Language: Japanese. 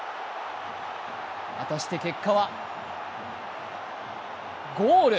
果たして結果はゴール！